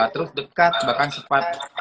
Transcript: terus dekat bahkan sempat